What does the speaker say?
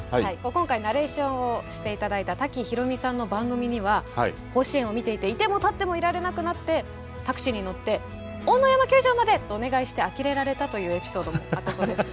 今回ナレーションをして頂いた多喜ひろみさんの番組には甲子園を見ていていても立ってもいられなくなってタクシーに乗って「奥武山球場まで！」とお願いしてあきれられたというエピソードもあったそうです。